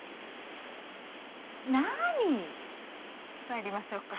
まいりましょうか。